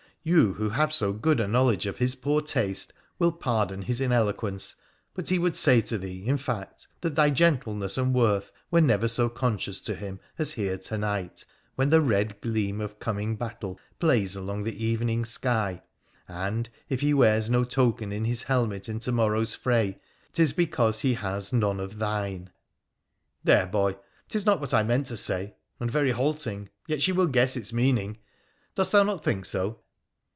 Yoti, who have so good a knowledge of his poor taste, tvill pardon his ineloqucnce, but he would say to thee, in fact, that thy gentle ness and tvorth were never so conscious to him as here to night, when the red gleam of coming battle plays along the evening sky, and, if he wears no token in his helmet in to morrow's fray, 'tis because he has none of thine. ' There, boy ! 'tis not what I meant to say — and very halting, yet she will guess its meaning. Dost thou not think so?'